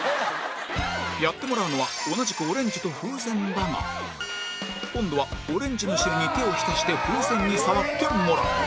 やってもらうのは同じくオレンジと風船だが今度はオレンジの汁に手を浸して風船に触ってもらう